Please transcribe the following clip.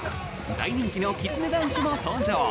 大人気のきつねダンスも登場！